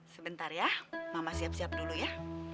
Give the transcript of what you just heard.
sebentar ya mama siap siap dulu ya